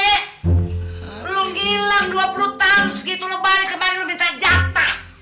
belum hilang dua puluh tahun segitu lo balik kembali lo minta jatah